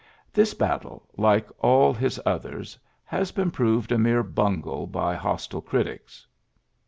This battle, like all his others, has been proved a mere bungle by hostile critics.